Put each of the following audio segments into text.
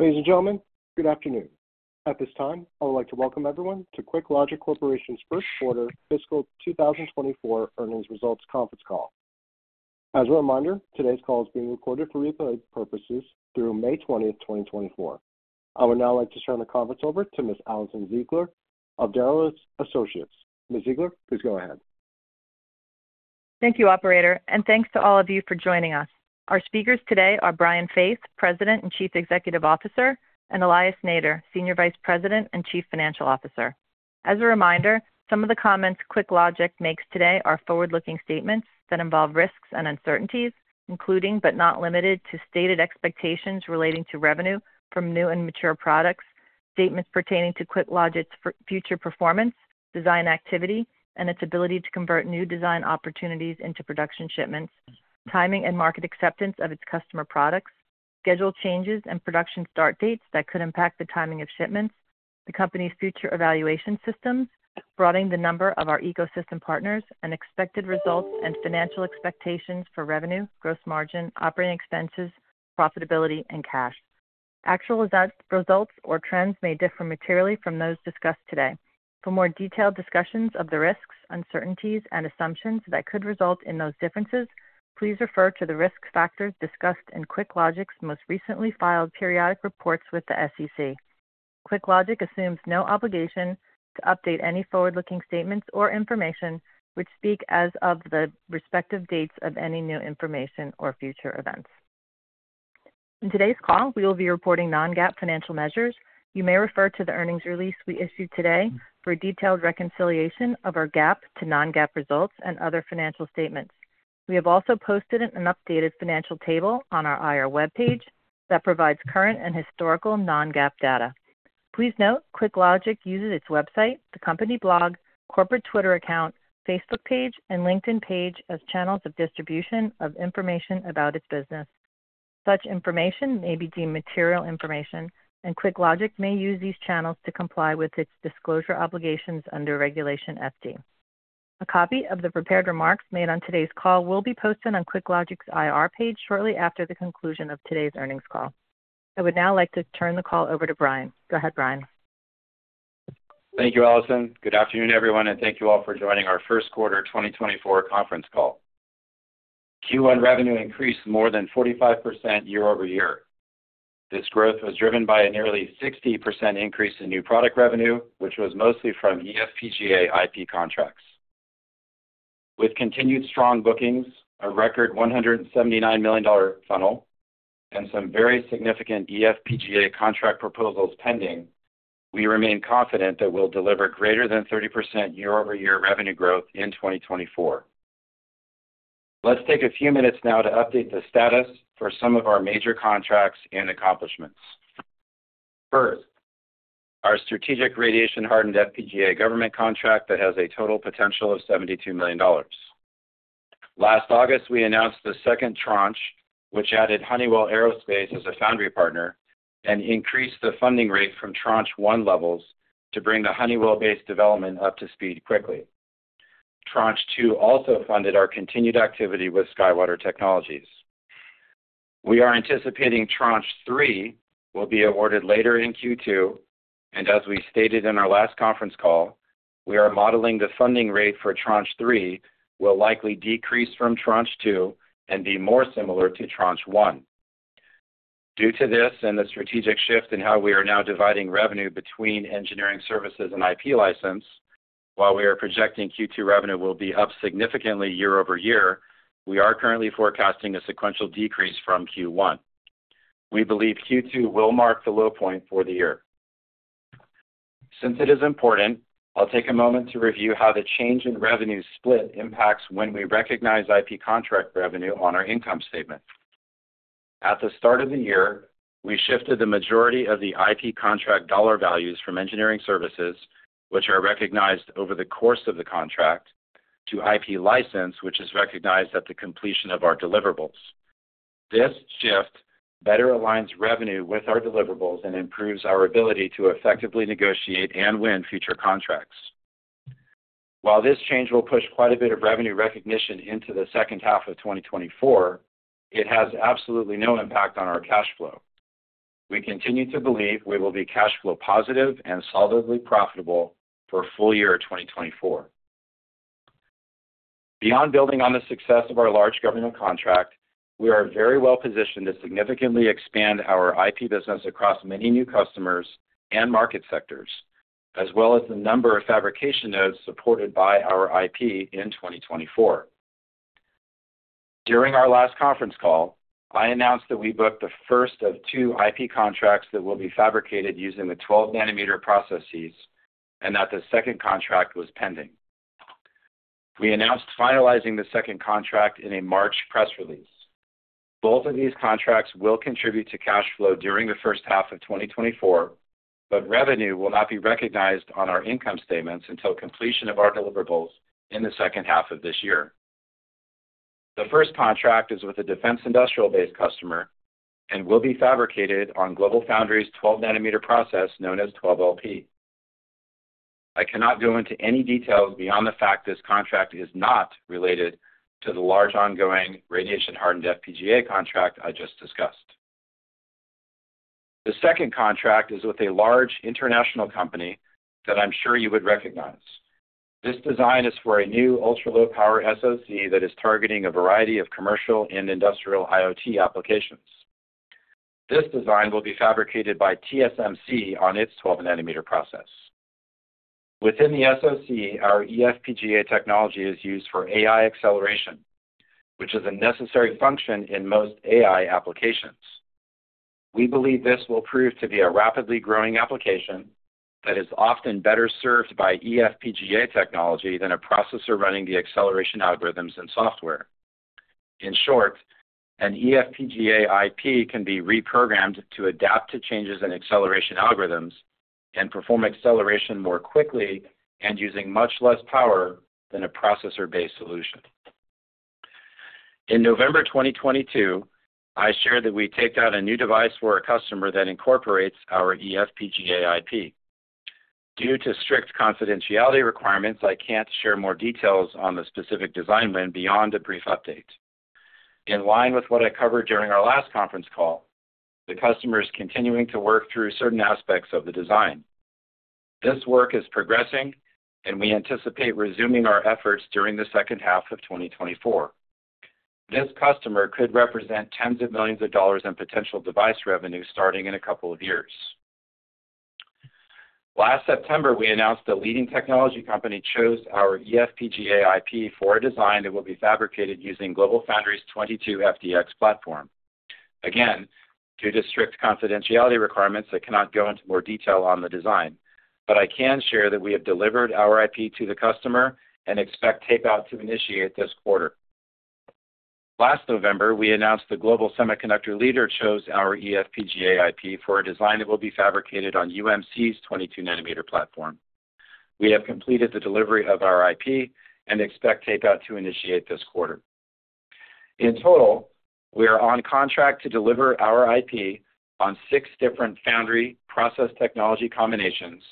Ladies and Gentlemen, Good Afternoon. At this time, I would like to welcome everyone to QuickLogic Corporation's First-Quarter fiscal 2024 earnings results conference call. As a reminder, today's call is being recorded for replay purposes through May 20, 2024. I would now like to turn the conference over to Ms. Alison Ziegler of Darrow Associates. Ms. Ziegler, please go ahead. Thank you, Operator, and thanks to all of you for joining us. Our speakers today are Brian Faith, President and Chief Executive Officer, and Elias Nader, Senior Vice President and Chief Financial Officer. As a reminder, some of the comments QuickLogic makes today are forward-looking statements that involve risks and uncertainties, including but not limited to stated expectations relating to revenue from new and mature products, statements pertaining to QuickLogic's future performance, design activity, and its ability to convert new design opportunities into production shipments, timing and market acceptance of its customer products, schedule changes and production start dates that could impact the timing of shipments, the company's future evaluation systems, broadening the number of our ecosystem partners, and expected results and financial expectations for revenue, gross margin, operating expenses, profitability, and cash. Actual results or trends may differ materially from those discussed today. For more detailed discussions of the risks, uncertainties, and assumptions that could result in those differences, please refer to the risk factors discussed in QuickLogic's most recently filed periodic reports with the SEC. QuickLogic assumes no obligation to update any forward-looking statements or information which speak as of the respective dates of any new information or future events. In today's call, we will be reporting non-GAAP financial measures. You may refer to the earnings release we issued today for detailed reconciliation of our GAAP to non-GAAP results and other financial statements. We have also posted an updated financial table on our IR web page that provides current and historical non-GAAP data. Please note, QuickLogic uses its website, the company blog, corporate Twitter account, Facebook page, and LinkedIn page as channels of distribution of information about its business. Such information may be deemed material information, and QuickLogic may use these channels to comply with its disclosure obligations under Regulation FD. A copy of the prepared remarks made on today's call will be posted on QuickLogic's IR page shortly after the conclusion of today's earnings call. I would now like to turn the call over to Brian. Go ahead, Brian. Thank you, Alison. Good afternoon, everyone, and thank you all for joining our first quarter 2024 conference call. Q1 revenue increased more than 45% year-over-year. This growth was driven by a nearly 60% increase in new product revenue, which was mostly from eFPGA IP contracts. With continued strong bookings, a record $179 million funnel, and some very significant eFPGA contract proposals pending, we remain confident that we'll deliver greater than 30% year-over-year revenue growth in 2024. Let's take a few minutes now to update the status for some of our major contracts and accomplishments. First, our strategic radiation-hardened FPGA government contract that has a total potential of $72 million. Last August, we announced the second tranche, which added Honeywell Aerospace as a foundry partner and increased the funding rate from tranche one levels to bring the Honeywell-based development up to speed quickly. Tranche two also funded our continued activity with SkyWater Technology. We are anticipating tranche three will be awarded later in Q2, and as we stated in our last conference call, we are modeling the funding rate for tranche three will likely decrease from tranche two and be more similar to tranche one. Due to this and the strategic shift in how we are now dividing revenue between engineering services and IP license, while we are projecting Q2 revenue will be up significantly year-over-year, we are currently forecasting a sequential decrease from Q1. We believe Q2 will mark the low point for the year. Since it is important, I'll take a moment to review how the change in revenue split impacts when we recognize IP contract revenue on our income statement. At the start of the year, we shifted the majority of the IP contract dollar values from engineering services, which are recognized over the course of the contract, to IP license, which is recognized at the completion of our deliverables. This shift better aligns revenue with our deliverables and improves our ability to effectively negotiate and win future contracts. While this change will push quite a bit of revenue recognition into the second half of 2024, it has absolutely no impact on our cash flow. We continue to believe we will be cash flow positive and solidly profitable for full year 2024. Beyond building on the success of our large government contract, we are very well positioned to significantly expand our IP business across many new customers and market sectors, as well as the number of fabrication nodes supported by our IP in 2024. During our last conference call, I announced that we booked the first of two IP contracts that will be fabricated using the 12-nanometer processes and that the second contract was pending. We announced finalizing the second contract in a March press release. Both of these contracts will contribute to cash flow during the H1 of 2024, but revenue will not be recognized on our income statements until completion of our deliverables in the H2 of this year. The first contract is with a defense industrial-based customer and will be fabricated on GlobalFoundries' 12-nanometer process known as 12LP. I cannot go into any details beyond the fact this contract is not related to the large ongoing radiation-hardened FPGA contract I just discussed. The second contract is with a large international company that I'm sure you would recognize. This design is for a new ultra-low-power SoC that is targeting a variety of commercial and industrial IoT applications. This design will be fabricated by TSMC on its 12-nanometer process. Within the SoC, our EFPGA technology is used for AI acceleration, which is a necessary function in most AI applications. We believe this will prove to be a rapidly growing application that is often better served by EFPGA technology than a processor running the acceleration algorithms and software. In short, an EFPGA IP can be reprogrammed to adapt to changes in acceleration algorithms and perform acceleration more quickly and using much less power than a processor-based solution. In November 2022, I shared that we taped out a new device for a customer that incorporates our EFPGA IP. Due to strict confidentiality requirements, I can't share more details on the specific design win beyond a brief update. In line with what I covered during our last conference call, the customer is continuing to work through certain aspects of the design. This work is progressing, and we anticipate resuming our efforts during the H2 of 2024. This customer could represent $10s of millions in potential device revenue starting in a couple of years. Last September, we announced a leading technology company chose our EFPGA IP for a design that will be fabricated using GlobalFoundries' 22FDX platform. Again, due to strict confidentiality requirements, I cannot go into more detail on the design, but I can share that we have delivered our IP to the customer and expect tape-out to initiate this quarter. Last November, we announced the Global Semiconductor Leader chose our EFPGA IP for a design that will be fabricated on UMC's 22-nanometer platform. We have completed the delivery of our IP and expect tape-out to initiate this quarter. In total, we are on contract to deliver our IP on six different foundry process technology combinations,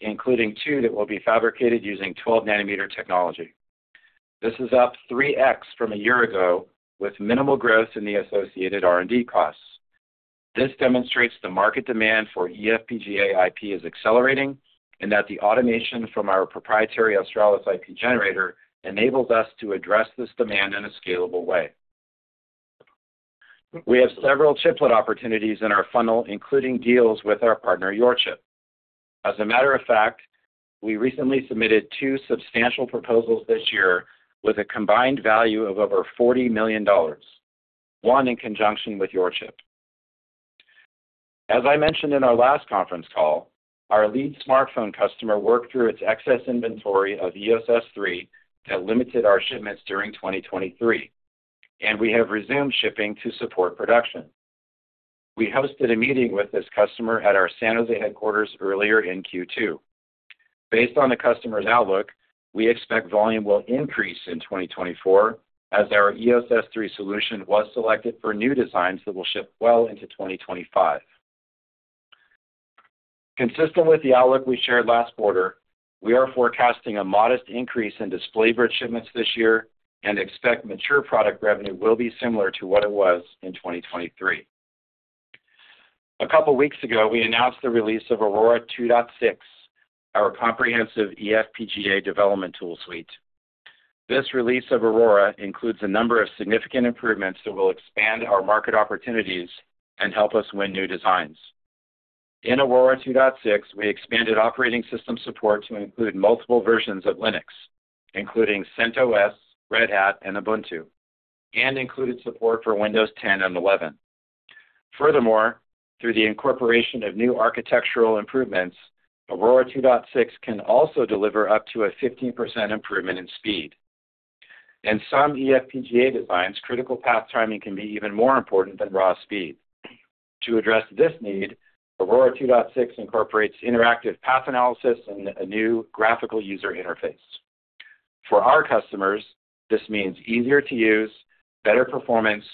including two that will be fabricated using 12-nanometer technology. This is up 3x from a year ago with minimal growth in the associated R&D costs. This demonstrates the market demand for EFPGA IP is accelerating and that the automation from our proprietary Australis IP generator enables us to address this demand in a scalable way. We have several chiplet opportunities in our funnel, including deals with our partner YorChip. As a matter of fact, we recently submitted two substantial proposals this year with a combined value of over $40 million, one in conjunction with YorChip. As I mentioned in our last conference call, our lead smartphone customer worked through its excess inventory of EOS S3 that limited our shipments during 2023, and we have resumed shipping to support production. We hosted a meeting with this customer at our San Jose headquarters earlier in Q2. Based on the customer's outlook, we expect volume will increase in 2024 as our EOS S3 solution was selected for new designs that will ship well into 2025. Consistent with the outlook we shared last quarter, we are forecasting a modest increase in Display Bridge shipments this year and expect mature product revenue will be similar to what it was in 2023. A couple of weeks ago, we announced the release of Aurora 2.6, our comprehensive eFPGA development tool suite. This release of Aurora includes a number of significant improvements that will expand our market opportunities and help us win new designs. In Aurora 2.6, we expanded operating system support to include multiple versions of Linux, including CentOS, Red Hat, and Ubuntu, and included support for Windows 10 and 11. Furthermore, through the incorporation of new architectural improvements, Aurora 2.6 can also deliver up to a 15% improvement in speed. In some eFPGA designs, critical path timing can be even more important than raw speed. To address this need, Aurora 2.6 incorporates interactive path analysis and a new graphical user interface. For our customers, this means easier to use, better performance,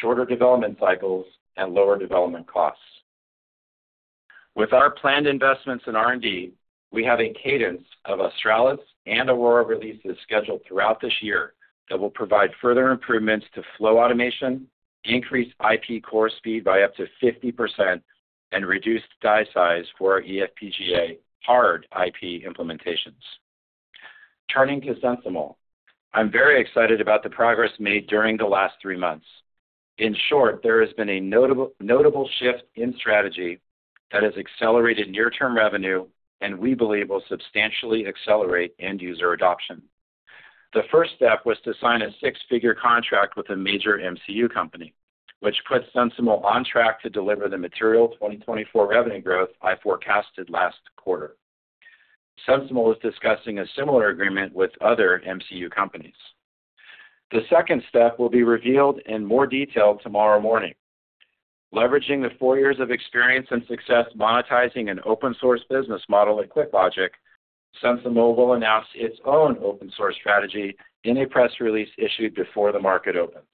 shorter development cycles, and lower development costs. With our planned investments in R&D, we have a cadence of Australis and Aurora releases scheduled throughout this year that will provide further improvements to flow automation, increase IP core speed by up to 50%, and reduce die size for our eFPGA hard IP implementations. Turning to SensiML, I'm very excited about the progress made during the last three months. In short, there has been a notable shift in strategy that has accelerated near-term revenue, and we believe will substantially accelerate end-user adoption. The first step was to sign a six-figure contract with a major MCU company, which put SensiML on track to deliver the material 2024 revenue growth I forecasted last quarter. SensiML is discussing a similar agreement with other MCU companies. The second step will be revealed in more detail tomorrow morning. Leveraging the four years of experience and success monetizing an open-source business model at QuickLogic, SensiML will announce its own open-source strategy in a press release issued before the market opens.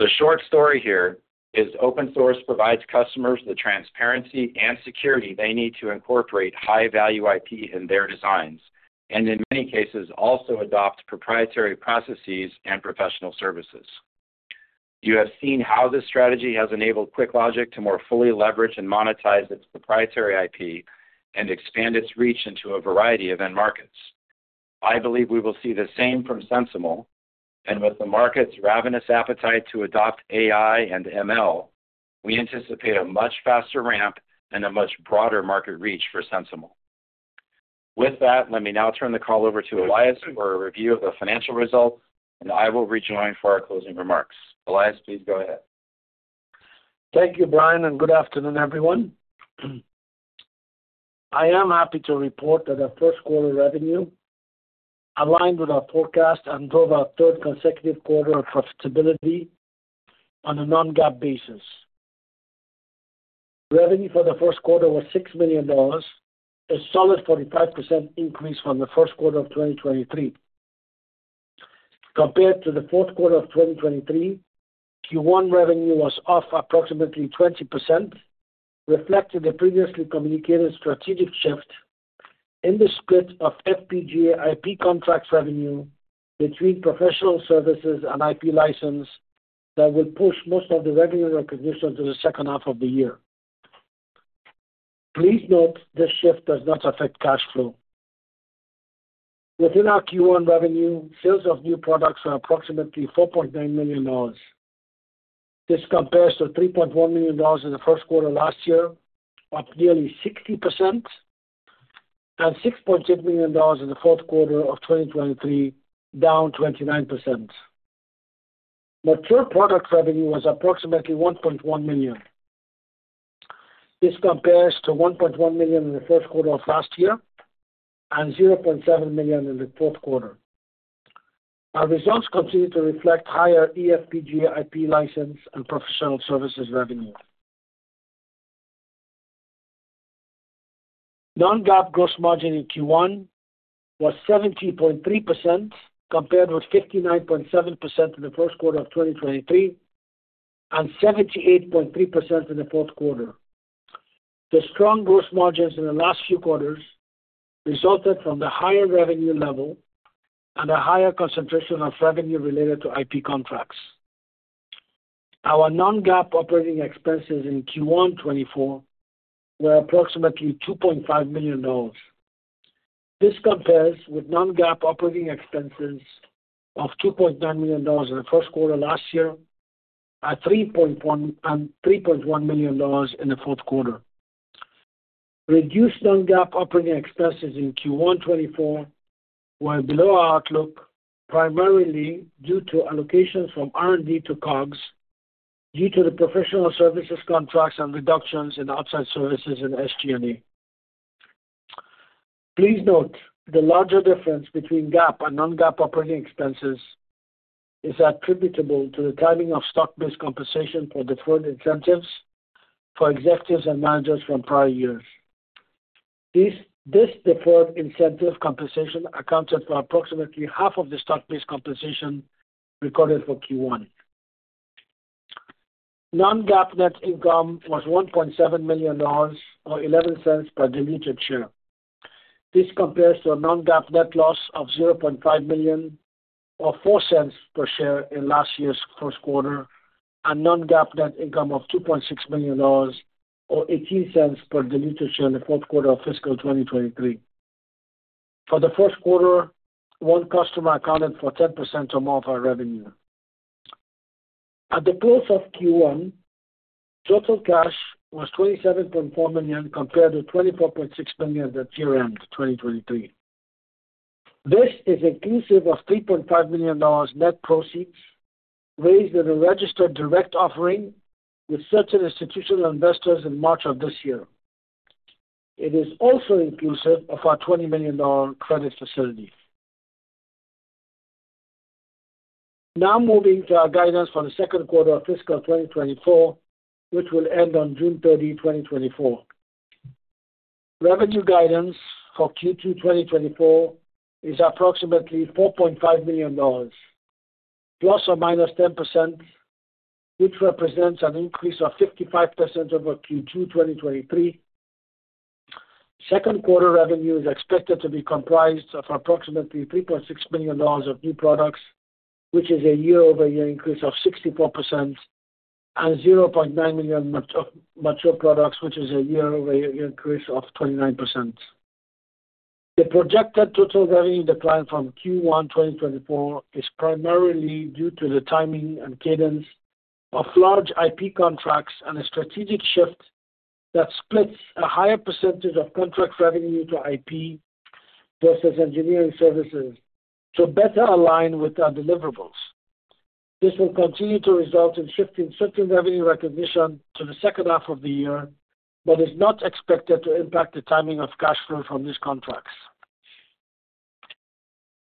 The short story here is open-source provides customers the transparency and security they need to incorporate high-value IP in their designs and, in many cases, also adopt proprietary processes and professional services. You have seen how this strategy has enabled QuickLogic to more fully leverage and monetize its proprietary IP and expand its reach into a variety of end markets. I believe we will see the same from SensiML, and with the market's ravenous appetite to adopt AI and ML, we anticipate a much faster ramp and a much broader market reach for SensiML. With that, let me now turn the call over to Elias for a review of the financial results, and I will rejoin for our closing remarks. Elias, please go ahead. Thank you, Brian, and good afternoon, everyone. I am happy to report that our first quarter revenue aligned with our forecast and drove our third consecutive quarter of profitability on a non-GAAP basis. Revenue for the first quarter was $6 million, a solid 45% increase from the first quarter of 2023. Compared to the fourth quarter of 2023, Q1 revenue was off approximately 20%, reflecting the previously communicated strategic shift in the split of FPGA IP contract revenue between professional services and IP license that will push most of the revenue recognition to the H2 of the year. Please note this shift does not affect cash flow. Within our Q1 revenue, sales of new products were approximately $4.9 million. This compares to $3.1 million in the first quarter last year, up nearly 60%, and $6.6 million in the fourth quarter of 2023, down 29%. Mature product revenue was approximately $1.1 million. This compares to $1.1 million in the first quarter of last year and $0.7 million in the fourth quarter. Our results continue to reflect higher eFPGA IP license and professional services revenue. Non-GAAP gross margin in Q1 was 70.3% compared with 59.7% in the first quarter of 2023 and 78.3% in the fourth quarter. The strong gross margins in the last few quarters resulted from the higher revenue level and a higher concentration of revenue related to IP contracts. Our Non-GAAP operating expenses in Q1 2024 were approximately $2.5 million. This compares with Non-GAAP operating expenses of $2.9 million in the first quarter last year and $3.1 million in the fourth quarter. Reduced non-GAAP operating expenses in Q1 2024 were below our outlook, primarily due to allocations from R&D to COGS due to the professional services contracts and reductions in outside services and SG&A. Please note the larger difference between GAAP and non-GAAP operating expenses is attributable to the timing of stock-based compensation for deferred incentives for executives and managers from prior years. This deferred incentive compensation accounted for approximately half of the stock-based compensation recorded for Q1. Non-GAAP net income was $1.7 million or $0.11 per diluted share. This compares to a non-GAAP net loss of $0.5 million or $0.04 per share in last year's first quarter and non-GAAP net income of $2.6 million or $0.18 per diluted share in the fourth quarter of fiscal 2023. For the first quarter, one customer accounted for 10% or more of our revenue. At the close of Q1, total cash was $27.4 million compared to $24.6 million at year-end 2023. This is inclusive of $3.5 million net proceeds raised in a registered direct offering with certain institutional investors in March of this year. It is also inclusive of our $20 million credit facility. Now moving to our guidance for the second quarter of fiscal 2024, which will end on June 30, 2024. Revenue guidance for Q2 2024 is approximately $4.5 million ±10%, which represents an increase of 55% over Q2 2023. Second quarter revenue is expected to be comprised of approximately $3.6 million of new products, which is a year-over-year increase of 64%, and $0.9 million mature products, which is a year-over-year increase of 29%. The projected total revenue decline from Q1 2024 is primarily due to the timing and cadence of large IP contracts and a strategic shift that splits a higher percentage of contract revenue to IP versus engineering services to better align with our deliverables. This will continue to result in shifting certain revenue recognition to the second half of the year but is not expected to impact the timing of cash flow from these contracts.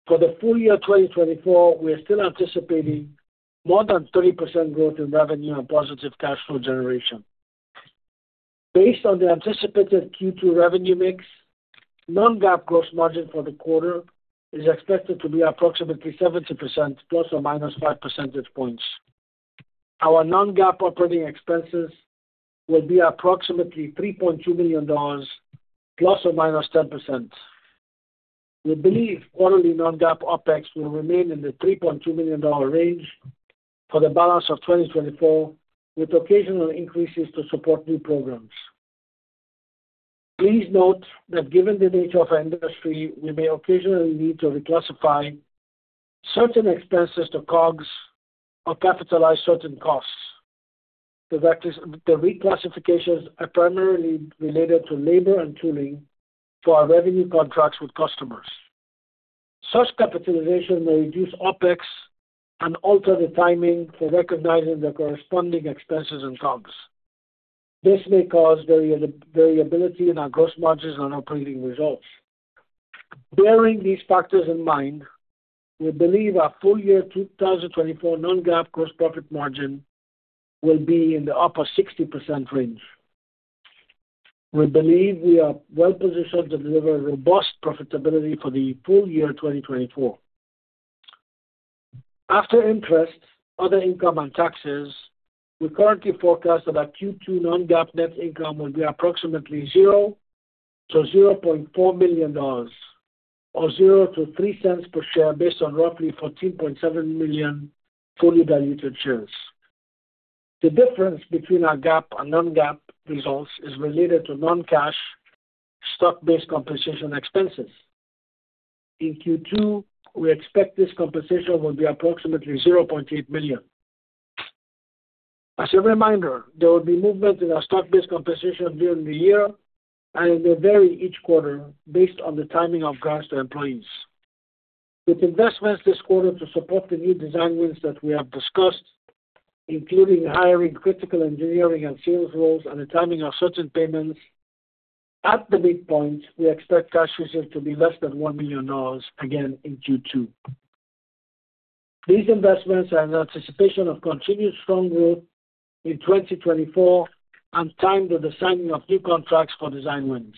For the full year 2024, we are still anticipating more than 30% growth in revenue and positive cash flow generation. Based on the anticipated Q2 revenue mix, non-GAAP gross margin for the quarter is expected to be approximately 70% ±5 percentage points. Our non-GAAP operating expenses will be approximately $3.2 million ±10%. We believe quarterly non-GAAP OPEX will remain in the $3.2 million range for the balance of 2024 with occasional increases to support new programs. Please note that given the nature of our industry, we may occasionally need to reclassify certain expenses to COGS or capitalize certain costs. The reclassifications are primarily related to labor and tooling for our revenue contracts with customers. Such capitalization may reduce OPEX and alter the timing for recognizing the corresponding expenses in COGS. This may cause variability in our gross margins and operating results. Bearing these factors in mind, we believe our full year 2024 non-GAAP gross profit margin will be in the upper 60% range. We believe we are well positioned to deliver robust profitability for the full year 2024. After interest, other income, and taxes, we currently forecast that our Q2 non-GAAP net income will be approximately $0, so $0.4 million or $0-$0.03 per share based on roughly 14.7 million fully diluted shares. The difference between our GAAP and non-GAAP results is related to non-cash stock-based compensation expenses. In Q2, we expect this compensation will be approximately $0.8 million. As a reminder, there will be movement in our stock-based compensation during the year and it may vary each quarter based on the timing of grants to employees. With investments this quarter to support the new design wins that we have discussed, including hiring critical engineering and sales roles and the timing of certain payments, at the midpoint, we expect cash reserve to be less than $1 million again in Q2. These investments are in anticipation of continued strong growth in 2024 and timed with the signing of new contracts for design wins.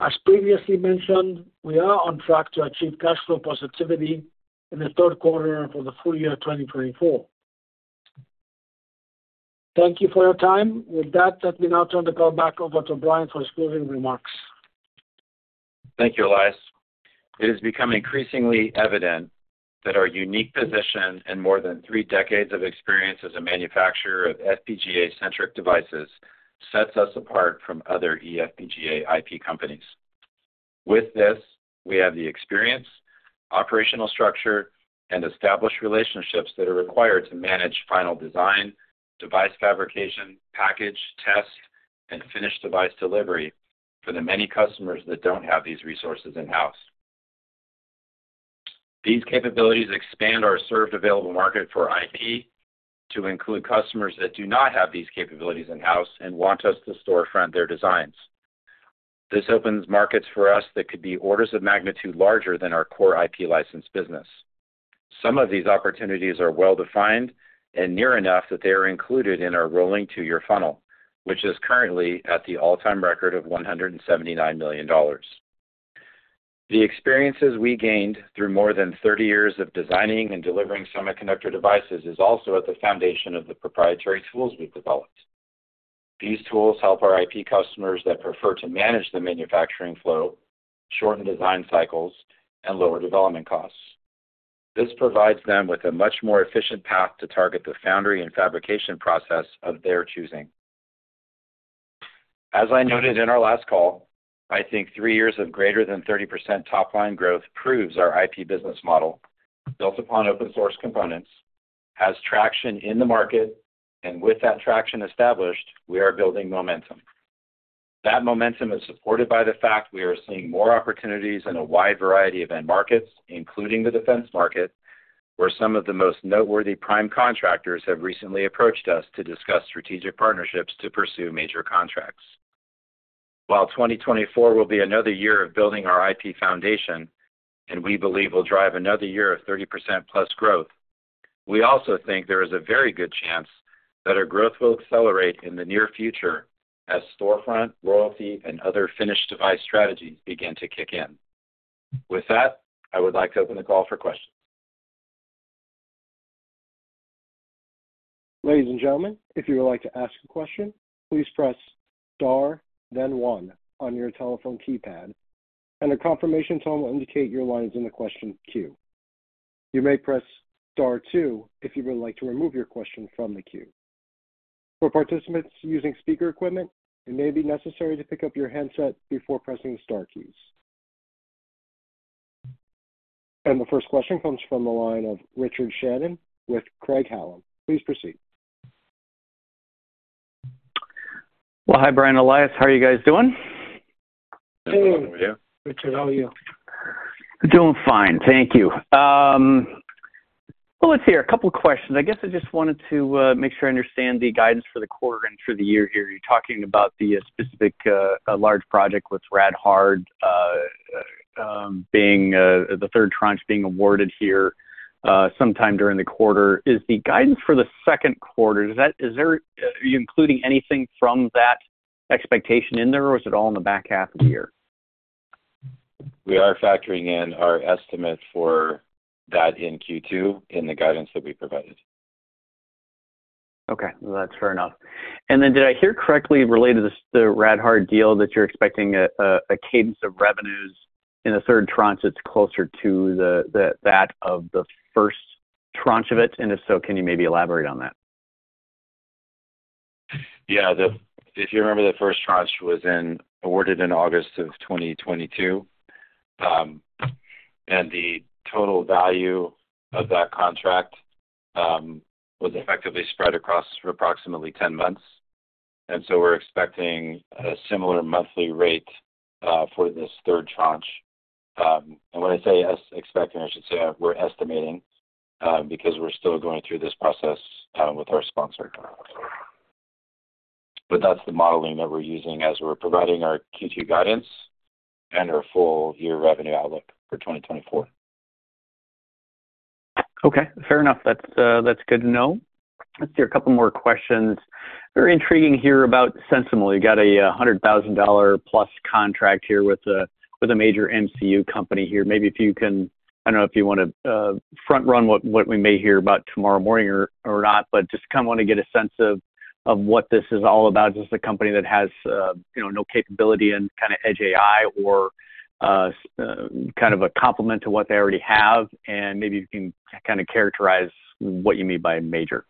As previously mentioned, we are on track to achieve cash flow positivity in the Q3 for the full year 2024. Thank you for your time. With that, let me now turn the call back over to Brian for his closing remarks. Thank you, Elias. It has become increasingly evident that our unique position and more than three decades of experience as a manufacturer of FPGA-centric devices sets us apart from other eFPGA IP companies. With this, we have the experience, operational structure, and established relationships that are required to manage final design, device fabrication, package, test, and finished device delivery for the many customers that don't have these resources in-house. These capabilities expand our served available market for IP to include customers that do not have these capabilities in-house and want us to storefront their designs. This opens markets for us that could be orders of magnitude larger than our core IP license business. Some of these opportunities are well defined and near enough that they are included in our rolling two-year funnel, which is currently at the all-time record of $179 million. The experiences we gained through more than 30 years of designing and delivering semiconductor devices is also at the foundation of the proprietary tools we've developed. These tools help our IP customers that prefer to manage the manufacturing flow shorten design cycles and lower development costs. This provides them with a much more efficient path to target the foundry and fabrication process of their choosing. As I noted in our last call, I think three years of greater than 30% top-line growth proves our IP business model built upon open-source components has traction in the market, and with that traction established, we are building momentum. That momentum is supported by the fact we are seeing more opportunities in a wide variety of end markets, including the defense market, where some of the most noteworthy prime contractors have recently approached us to discuss strategic partnerships to pursue major contracts. While 2024 will be another year of building our IP foundation and we believe will drive another year of 30%+ growth, we also think there is a very good chance that our growth will accelerate in the near future as storefront, royalty, and other finished device strategies begin to kick in. With that, I would like to open the call for questions. Ladies and gentlemen, if you would like to ask a question, please press star then one on your telephone keypad, and a confirmation tone will indicate your line is in the question queue. You m two if you would like to remove your question from the queue. For participants using speaker equipment, it may be necessary to pick up your headset before pressing the star keys. The first question comes from the line of Richard Shannon with Craig-Hallum. Please proceed. Well, hi, Brian and Elias. How are you guys doing? Hey. Good morning with you. Richard, how are you? Doing fine. Thank you. Well, let's see. A couple of questions. I guess I just wanted to make sure I understand the guidance for the quarter and for the year here. You're talking about the specific large project with Rad-Hard being the third tranche being awarded here sometime during the quarter. Is the guidance for the second quarter are you including anything from that expectation in there, or is it all in the back half of the year? We are factoring in our estimate for that in Q2 in the guidance that we provided. Okay. That's fair enough. And then did I hear correctly related to the Rad-hard deal that you're expecting a cadence of revenues in the third tranche that's closer to that of the first tranche of it? And if so, can you maybe elaborate on that? Yeah. If you remember, the first tranche was awarded in August of 2022, and the total value of that contract was effectively spread across for approximately 10 months. And so we're expecting a similar monthly rate for this third tranche. And when I say expecting, I should say we're estimating because we're still going through this process with our sponsor. But that's the modeling that we're using as we're providing our Q2 guidance and our full year revenue outlook for 2024. Okay. Fair enough. That's good to know. Let's see. A couple more questions. Very intriguing here about SensiML. You got a $100,000 plus contract here with a major MCU company here. Maybe if you can I don't know if you want to front-run what we may hear about tomorrow morning or not, but just kind of want to get a sense of what this is all about. Is this a company that has no capability in kind of edge AI or kind of a complement to what they already have? And maybe if you can kind of characterize what you mean by major.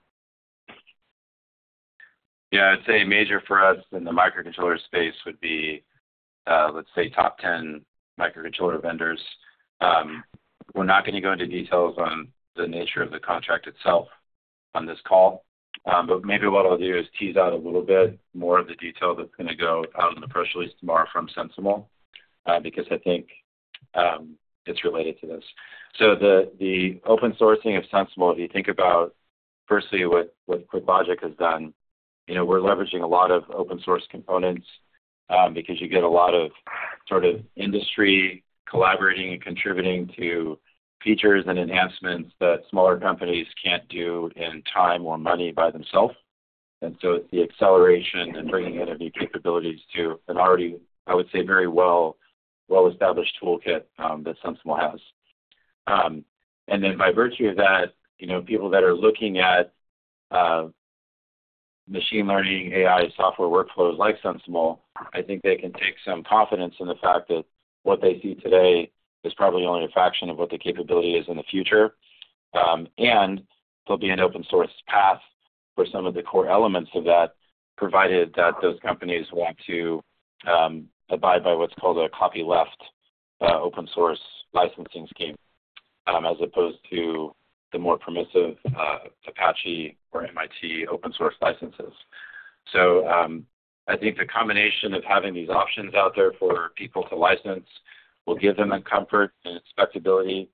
Yeah. I'd say major for us in the microcontroller space would be, let's say, top 10 microcontroller vendors. We're not going to go into details on the nature of the contract itself on this call, but maybe what I'll do is tease out a little bit more of the detail that's going to go out in the press release tomorrow from SensiML because I think it's related to this. So the open sourcing of SensiML, if you think about, firstly, what QuickLogic has done, we're leveraging a lot of open-source components because you get a lot of sort of industry collaborating and contributing to features and enhancements that smaller companies can't do in time or money by themselves. And so it's the acceleration and bringing in of new capabilities to an already, I would say, very well-established toolkit that SensiML has. And then by virtue of that, people that are looking at machine learning, AI, software workflows like SensiML, I think they can take some confidence in the fact that what they see today is probably only a fraction of what the capability is in the future. There'll be an open-source path for some of the core elements of that provided that those companies want to abide by what's called a copyleft open-source licensing scheme as opposed to the more permissive Apache or MIT open-source licenses. So I think the combination of having these options out there for people to license will give them the comfort and expectability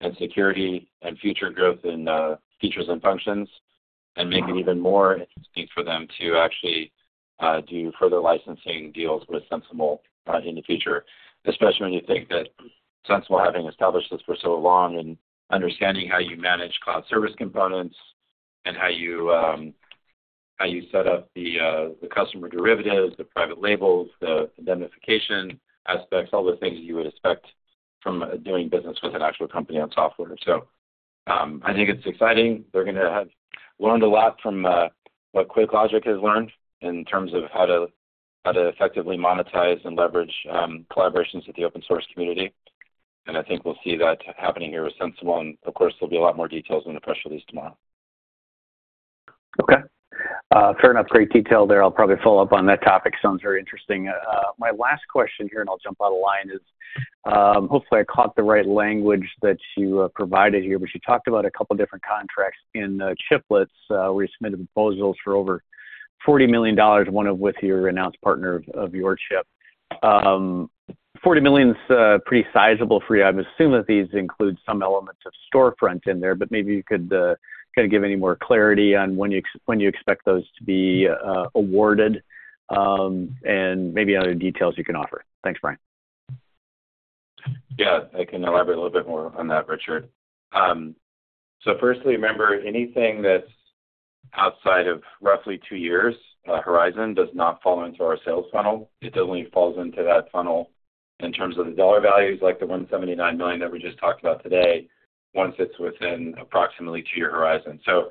and security and future growth in features and functions and make it even more interesting for them to actually do further licensing deals with SensiML in the future, especially when you think that SensiML having established this for so long and understanding how you manage cloud service components and how you set up the customer derivatives, the private labels, the identification aspects, all the things you would expect from doing business with an actual company on software. So I think it's exciting. They're going to have learned a lot from what QuickLogic has learned in terms of how to effectively monetize and leverage collaborations with the open-source community. And I think we'll see that happening here with SensiML. Of course, there'll be a lot more details in the press release tomorrow. Okay. Fair enough. Great detail there. I'll probably follow up on that topic. Sounds very interesting. My last question here, and I'll jump out of line, is hopefully, I caught the right language that you provided here, but you talked about a couple of different contracts in chiplets where you submitted proposals for over $40 million, one of which you announced partner of your chip. $40 million is pretty sizable for you. I'm assuming that these include some elements of storefront in there, but maybe you could kind of give any more clarity on when you expect those to be awarded and maybe other details you can offer. Thanks, Brian. Yeah. I can elaborate a little bit more on that, Richard. So firstly, remember, anything that's outside of roughly two-year horizon does not fall into our sales funnel. It only falls into that funnel in terms of the dollar values like the $179 million that we just talked about today once it's within approximately two-year horizon. So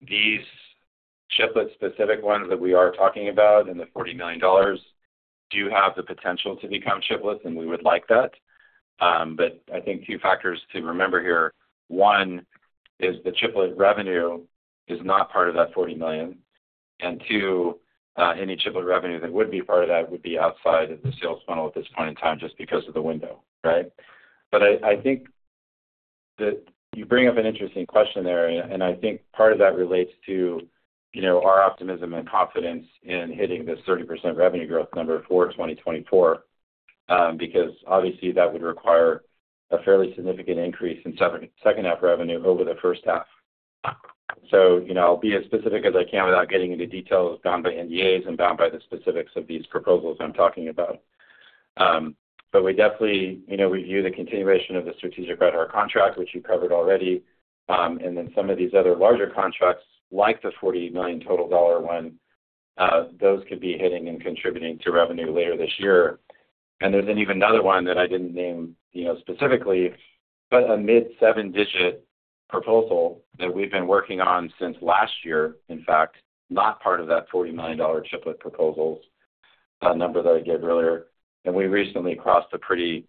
these chiplet-specific ones that we are talking about and the $40 million do have the potential to become chiplets, and we would like that. But I think two factors to remember here. One, is the chiplet revenue is not part of that $40 million. And two, any chiplet revenue that would be part of that would be outside of the sales funnel at this point in time just because of the window, right? But I think that you bring up an interesting question there, and I think part of that relates to our optimism and confidence in hitting this 30% revenue growth number for 2024 because obviously, that would require a fairly significant increase in second-half revenue over the H1. So I'll be as specific as I can without getting into details bound by NDAs and bound by the specifics of these proposals I'm talking about. But we definitely review the continuation of the strategic Rad-Hard contract, which you covered already. And then some of these other larger contracts, like the $40 million total dollar one, those could be hitting and contributing to revenue later this year. There's then even another one that I didn't name specifically, but a mid-seven-digit proposal that we've been working on since last year, in fact, not part of that $40 million chiplet proposals number that I gave earlier. We recently crossed a pretty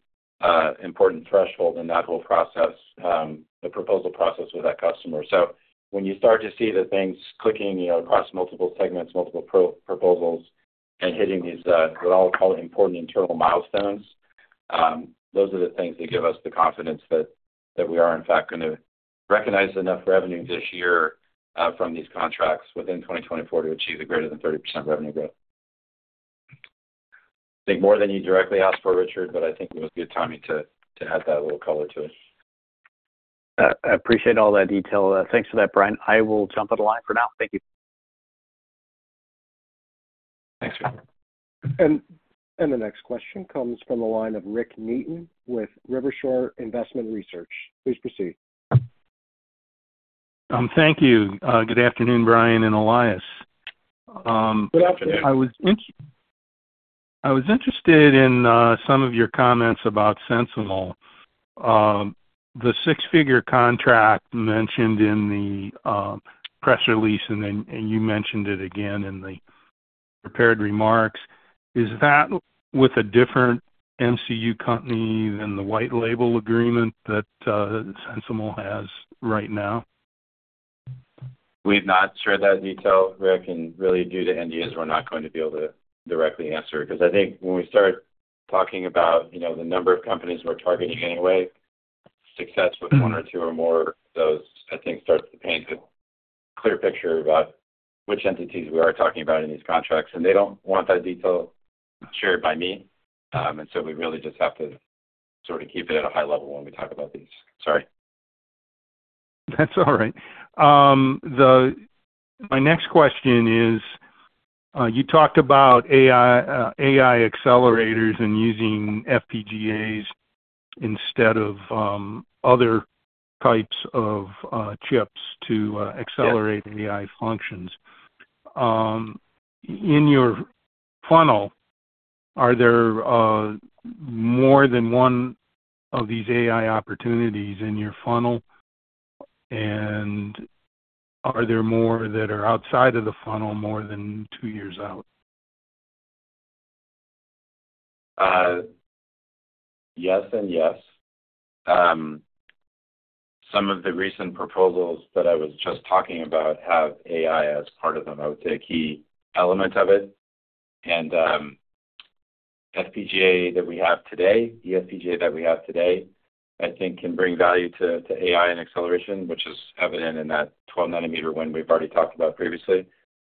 important threshold in that whole process, the proposal process with that customer. When you start to see the things clicking across multiple segments, multiple proposals, and hitting these what I'll call important internal milestones, those are the things that give us the confidence that we are, in fact, going to recognize enough revenue this year from these contracts within 2024 to achieve a greater than 30% revenue growth. I think more than you directly asked for, Richard, but I think it was good timing to add that little color to it. I appreciate all that detail. Thanks for that, Brian. I will jump out of line for now. Thank you. Thanks, Richard. The next question comes from the line of Rick Neaton with Rivershore Investment Research. Please proceed. Thank you. Good afternoon, Brian and Elias. Good afternoon. I was interested in some of your comments about SensiML. The six-figure contract mentioned in the press release, and you mentioned it again in the prepared remarks, is that with a different MCU company than the white label agreement that SensiML has right now? We're not sure that detail, Rick, and really due to NDAs, we're not going to be able to directly answer because I think when we start talking about the number of companies we're targeting anyway, success with one or two or more of those, I think, starts to paint a clear picture about which entities we are talking about in these contracts. And they don't want that detail shared by me. And so we really just have to sort of keep it at a high level when we talk about these. Sorry. That's all right. My next question is, you talked about AI accelerators and using FPGAs instead of other types of chips to accelerate AI functions. In your funnel, are there more than one of these AI opportunities in your funnel? And are there more that are outside of the funnel more than two years out? Yes and yes. Some of the recent proposals that I was just talking about have AI as part of them, I would say, a key element of it. And FPGA that we have today, EFPGA that we have today, I think can bring value to AI and acceleration, which is evident in that 12-nanometer win we've already talked about previously.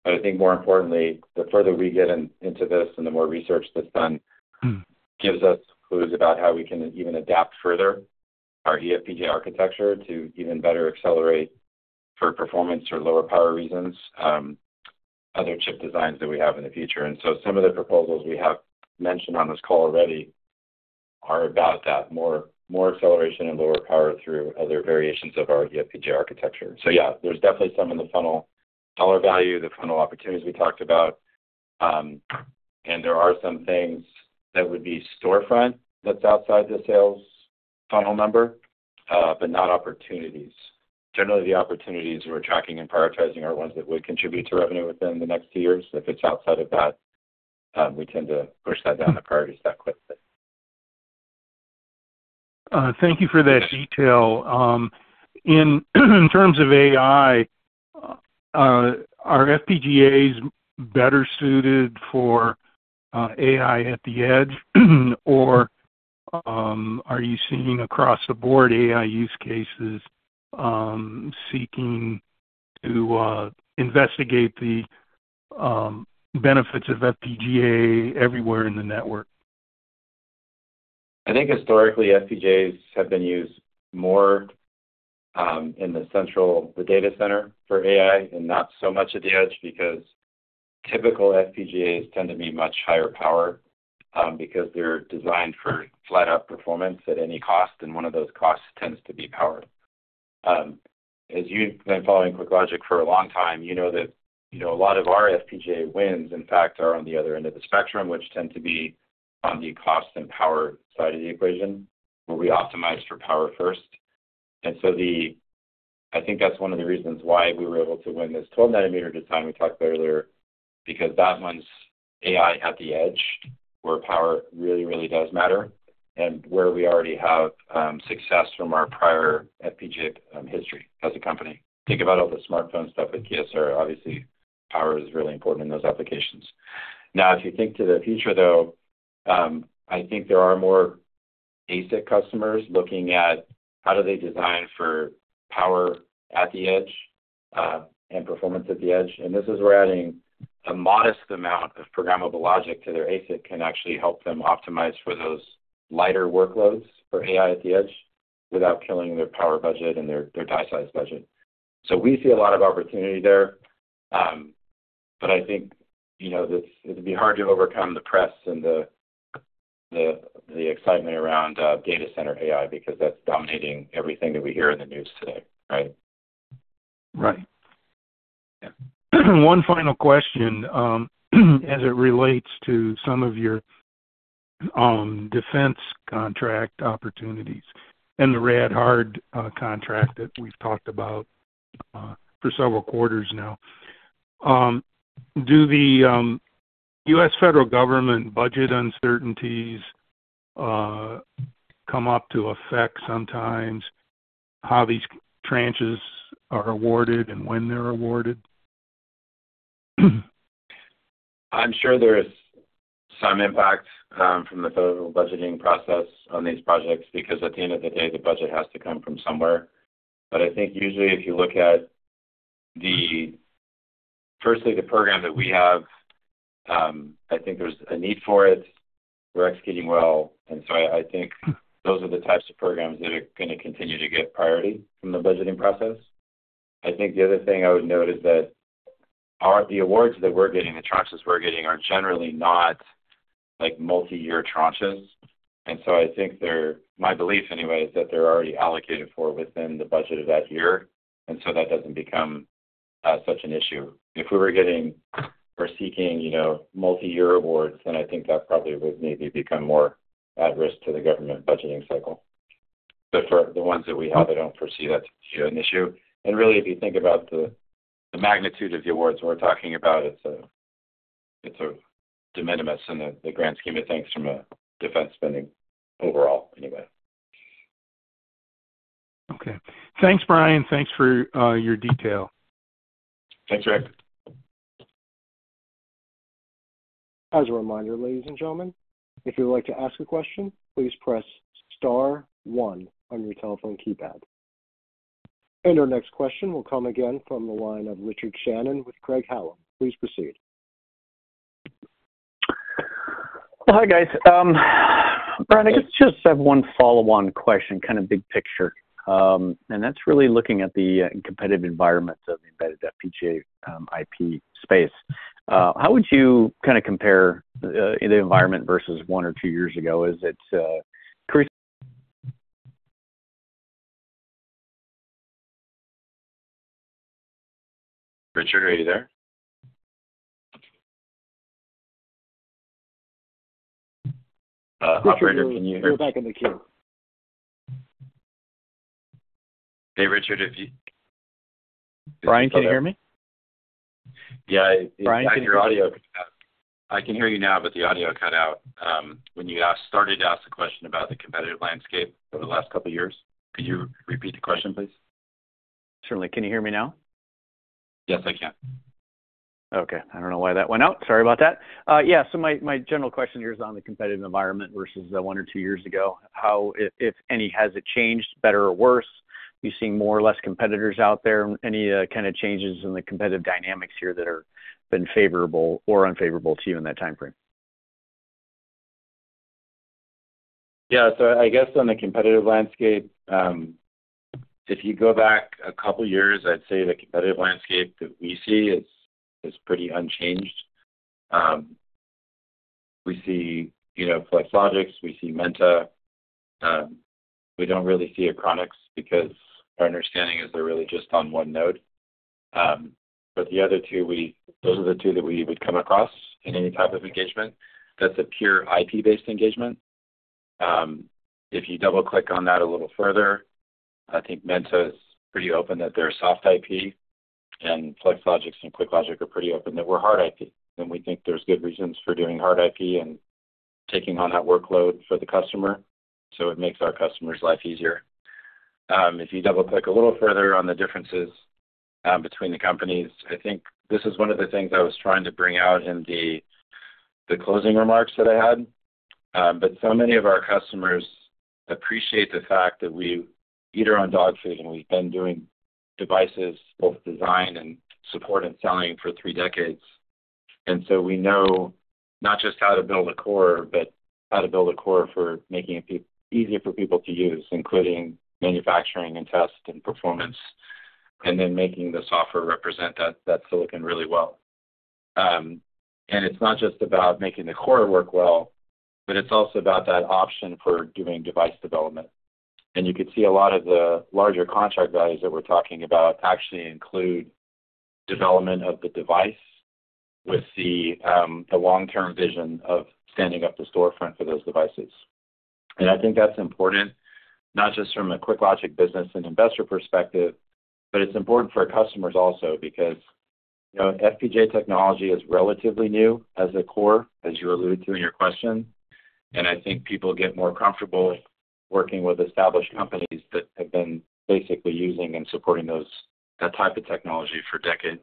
But I think more importantly, the further we get into this and the more research that's done gives us clues about how we can even adapt further our EFPGA architecture to even better accelerate for performance or lower power reasons other chip designs that we have in the future. And so some of the proposals we have mentioned on this call already are about that, more acceleration and lower power through other variations of our EFPGA architecture. So yeah, there's definitely some in the funnel, dollar value, the funnel opportunities we talked about. There are some things that would be storefront that's outside the sales funnel number but not opportunities. Generally, the opportunities we're tracking and prioritizing are ones that would contribute to revenue within the next two years. If it's outside of that, we tend to push that down and prioritize that quickly. Thank you for that detail. In terms of AI, are FPGAs better suited for AI at the edge, or are you seeing across the board AI use cases seeking to investigate the benefits of FPGA everywhere in the network? I think historically, FPGAs have been used more in the data center for AI and not so much at the edge because typical FPGAs tend to be much higher power because they're designed for flat-out performance at any cost. And one of those costs tends to be power. As you've been following QuickLogic for a long time, you know that a lot of our FPGA wins, in fact, are on the other end of the spectrum, which tend to be on the cost and power side of the equation where we optimize for power first. And so I think that's one of the reasons why we were able to win this 12-nanometer design we talked about earlier because that one's AI at the edge where power really, really does matter and where we already have success from our prior FPGA history as a company. Think about all the smartphone stuff with Kyocera. Obviously, power is really important in those applications. Now, if you think to the future, though, I think there are more ASIC customers looking at how do they design for power at the edge and performance at the edge. And this is where adding a modest amount of programmable logic to their ASIC can actually help them optimize for those lighter workloads for AI at the edge without killing their power budget and their die-size budget. So we see a lot of opportunity there. But I think it'd be hard to overcome the press and the excitement around data center AI because that's dominating everything that we hear in the news today, right? Right. Yeah. One final question as it relates to some of your defense contract opportunities and the rad-hard contract that we've talked about for several quarters now. Do the U.S. federal government budget uncertainties come up to affect sometimes how these tranches are awarded and when they're awarded? I'm sure there's some impact from the federal budgeting process on these projects because at the end of the day, the budget has to come from somewhere. But I think usually, if you look at firstly, the program that we have, I think there's a need for it. We're executing well. And so I think those are the types of programs that are going to continue to get priority from the budgeting process. I think the other thing I would note is that the awards that we're getting, the tranches we're getting, are generally not multi-year tranches. And so I think they're my belief anyway is that they're already allocated for within the budget of that year. And so that doesn't become such an issue. If we were getting or seeking multi-year awards, then I think that probably would maybe become more at risk to the government budgeting cycle. But for the ones that we have, I don't foresee that to be an issue. And really, if you think about the magnitude of the awards we're talking about, it's a de minimis in the grand scheme of things from a defense spending overall anyway. Okay. Thanks, Brian. Thanks for your details. Thanks, Rick. As a reminder, ladies and gentlemen, if you would like to ask a question, please press star one on your telephone keypad. Our next question will come again from the line of Richard Shannon with Craig-Hallum. Please proceed. Well, hi, guys. Brian, I guess I just have one follow-on question, kind of big picture. That's really looking at the competitive environment of the embedded FPGA IP space. How would you kind of compare the environment versus one or two years ago? Is it Chris? Richard, are you there? Operator, can you hear? We're back in the queue. Hey, Richard. Brian, can you hear me? Yeah. Brian, can you hear me? I can hear you now, but the audio cut out when you started to ask the question about the competitive landscape over the last couple of years. Could you repeat the question, please? Certainly. Can you hear me now? Yes, I can. Okay. I don't know why that went out. Sorry about that. Yeah. So my general question here is on the competitive environment versus one or two years ago. If any, has it changed, better or worse? Are you seeing more or less competitors out there? Any kind of changes in the competitive dynamics here that have been favorable or unfavorable to you in that time frame? Yeah. So I guess on the competitive landscape, if you go back a couple of years, I'd say the competitive landscape that we see is pretty unchanged. We see Flex Logix. We see Menta. We don't really see Achronix because our understanding is they're really just on one node. But the other two, those are the two that we would come across in any type of engagement. That's a pure IP-based engagement. If you double-click on that a little further, I think Menta is pretty open that they're soft IP. And Flex Logix and QuickLogic are pretty open that we're hard IP. And we think there's good reasons for doing hard IP and taking on that workload for the customer. So it makes our customers' life easier. If you double-click a little further on the differences between the companies, I think this is one of the things I was trying to bring out in the closing remarks that I had. But so many of our customers appreciate the fact that we eat our own dog food, and we've been doing devices, both design and support and selling, for three decades. And so we know not just how to build a core, but how to build a core for making it easier for people to use, including manufacturing and test and performance, and then making the software represent that silicon really well. And it's not just about making the core work well, but it's also about that option for doing device development. You could see a lot of the larger contract values that we're talking about actually include development of the device with the long-term vision of standing up the storefront for those devices. I think that's important, not just from a QuickLogic business and investor perspective, but it's important for customers also because FPGA technology is relatively new as a core, as you alluded to in your question. I think people get more comfortable working with established companies that have been basically using and supporting that type of technology for decades.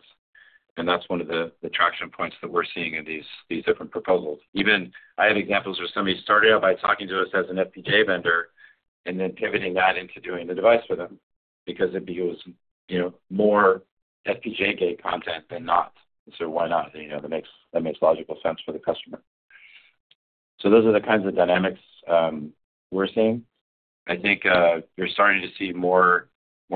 That's one of the traction points that we're seeing in these different proposals. I have examples where somebody started out by talking to us as an FPGA vendor and then pivoting that into doing the device for them because it was more FPGA-heavy content than not. So why not? That makes logical sense for the customer. So those are the kinds of dynamics we're seeing. I think we're starting to see more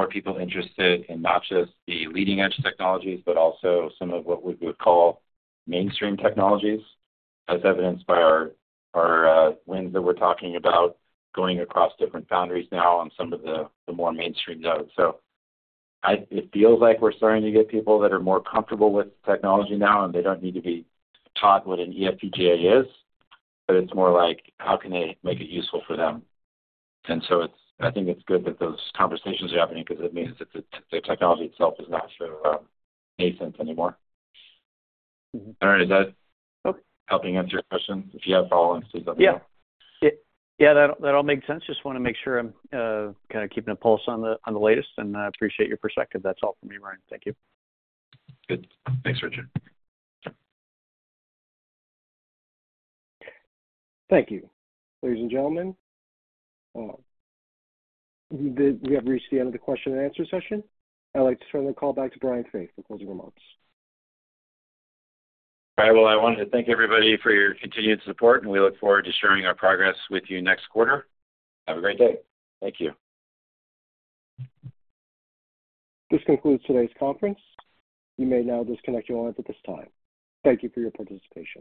people interested in not just the leading-edge technologies, but also some of what we would call mainstream technologies, as evidenced by our wins that we're talking about going across different boundaries now on some of the more mainstream nodes. So it feels like we're starting to get people that are more comfortable with technology now, and they don't need to be taught what an EFPGA is. But it's more like, how can they make it useful for them? And so I think it's good that those conversations are happening because it means the technology itself is not so nascent anymore. All right. Is that helping answer your question? If you have follow-ons, please let me know. Yeah. Yeah. That all makes sense. Just want to make sure I'm kind of keeping a pulse on the latest. I appreciate your perspective. That's all from me, Brian. Thank you. Good. Thanks, Richard. Thank you, ladies and gentlemen. We have reached the end of the question and answer session. I'd like to turn the call back to Brian Faith for closing remarks. All right. Well, I wanted to thank everybody for your continued support. We look forward to sharing our progress with you next quarter. Have a great day. Thank you. This concludes today's conference. You may now disconnect your line at this time. Thank you for your participation.